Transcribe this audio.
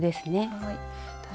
はい。